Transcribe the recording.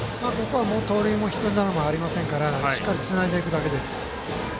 盗塁もヒットエンドランもありませんからしっかり、つないでいくだけです。